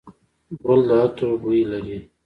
ګل د عطر بوی لري.